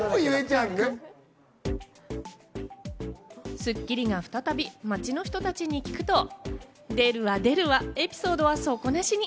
『スッキリ』が再び街の人たちに聞くと、出るわ出るわエピソードが底なしに。